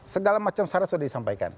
segala macam syarat sudah disampaikan